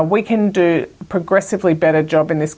pekerjaan yang lebih baik di negara ini